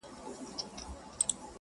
o د ميني اوبه وبهېږي.